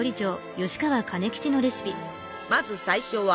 まず最初は。